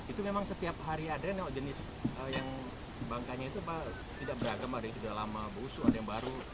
itu memang setiap hari adrenal jenis yang bangkanya itu tidak beragam ada yang tidak lama busu ada yang baru